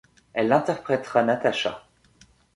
Elle interprétera Natasha.